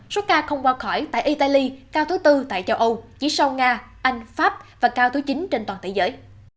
số ca không qua khỏi tại italy cao thứ bốn tại châu âu chỉ sau nga anh pháp và cao thứ chín trên toàn thế giới